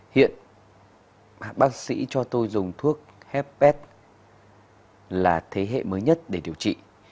hiện bác sĩ cho tôi dùng thuốc het là thế hệ mới nhất để điều trị